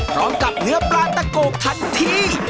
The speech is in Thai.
พร้อมกับเนื้อปลาตะโกทันที